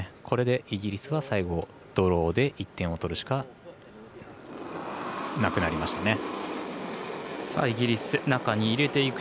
これでイギリスは最後ドローで１点を取るしかなくなりました。